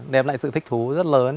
đem lại sự thích thú rất lớn